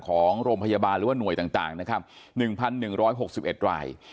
ของโรงพยาบาลหรือว่าหน่วยต่างนะครับ๑๑๖๑ราย